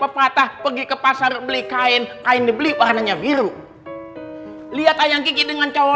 patah pergi ke pasar beli kain kain dibeli warnanya biru lihat ayam gigi dengan cowok